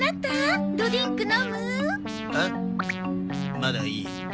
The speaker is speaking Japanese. まだいい。